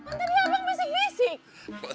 kan tadi abang bisik bisik